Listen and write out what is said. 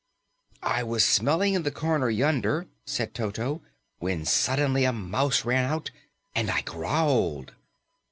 "I was smelling in the corner yonder," said Toto, "when suddenly a mouse ran out and I growled."